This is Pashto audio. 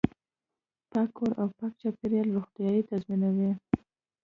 پاک کور او پاک چاپیریال روغتیا تضمینوي.